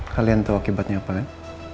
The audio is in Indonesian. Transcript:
kalian tahu akibatnya apa kan